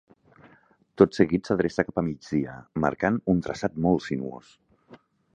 Tot seguit s'adreça cap a migdia, marcant un traçat molt sinuós.